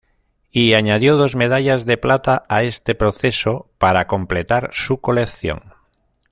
Y añadió dos medallas de plata a este proceso para completar su colección.